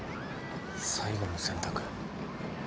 最後の選択？